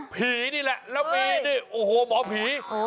นี่แหละแล้วมีนี่โอ้โหหมอผี